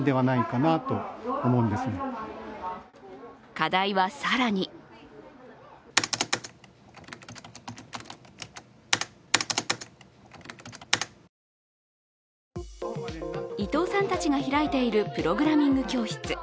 課題は更に伊藤さんたちが開いているプログラミング教室。